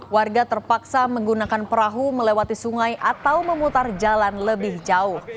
warga terpaksa menggunakan perahu melewati sungai atau memutar jalan lebih jauh